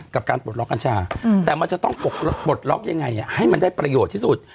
กับการปลดล็อกกัญชาแต่มันจะต้องปลดล็อกยังไงให้มันได้ประโยชน์ที่สุด